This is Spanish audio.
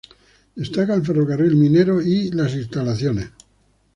Destaca el ferrocarril minero y las instalaciones.